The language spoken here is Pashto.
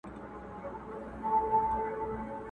د غازیانو له شامته هدیرې دي چي ډکیږی٫